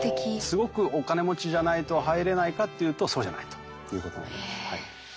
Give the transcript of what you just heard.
すごくお金持ちじゃないと入れないかっていうとそうじゃないということになります。